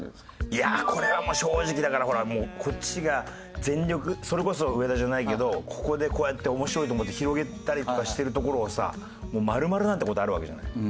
いやこれは正直だからほらこっちが全力それこそ上田じゃないけどここでこうやって面白いと思って広げたりとかしてるところをさ丸々なんて事あるわけじゃない。